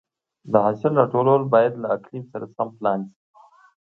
د حاصل راټولول باید له اقلیم سره سم پلان شي.